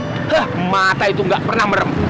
keh mata itu gak pernah merem